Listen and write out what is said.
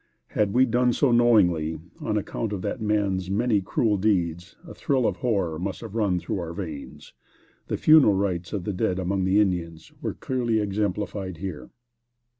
Had we done so knowingly, on account of that man's many cruel deeds, a thrill of horror must have run through our veins. The funeral rites of the dead among the Indians were clearly exemplified here.